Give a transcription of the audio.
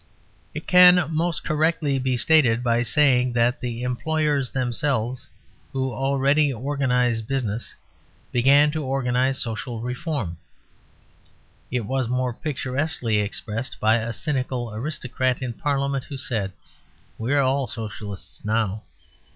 It can most correctly be stated by saying that the employers themselves, who already organized business, began to organize social reform. It was more picturesquely expressed by a cynical aristocrat in Parliament who said, "We are all Socialists now."